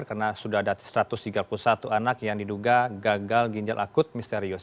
karena sudah ada satu ratus tiga puluh satu anak yang diduga gagal ginjal akut misterius